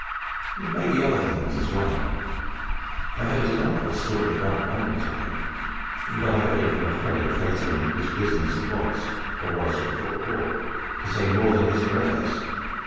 It may be other things as well. I heard a delightful story about one Battalion but I heard it from a fellow tradesmen whose business it is (or was, before the war) to say more than his prayers.